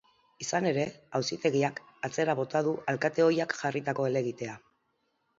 Izan ere, auzitegiak atzera bota du alkate ohiak jarritako helegitea.